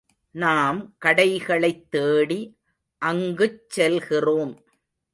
நாம் கடைகளைத் தேடி அங்குச் செல்கிறோம்.